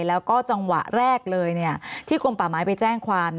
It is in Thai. แล้วก็จังหวะแรกเลยที่กลมป่าไม้ไปแจ้งความ